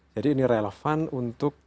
jadi ini relevan untuk